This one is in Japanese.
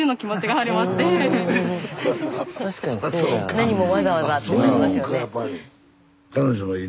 何もわざわざってなりますよね。